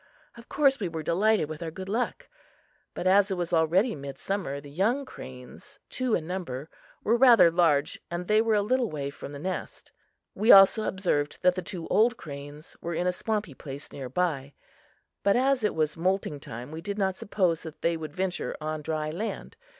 Of course, we were delighted with our good luck. But, as it was already midsummer, the young cranes two in number were rather large and they were a little way from the nest; we also observed that the two old cranes were in a swampy place near by; but, as it was moulting time, we did not suppose that they would venture on dry land.